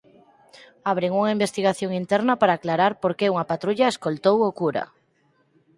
Abren unha investigación interna para aclarar por que unha patrulla escoltou o cura